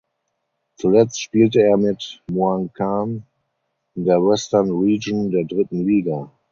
Zuletzt spielte er mit Muangkan in der Western Region der dritten Liga.